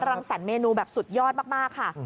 รังสรรคเมนูแบบสุดยอดมากค่ะ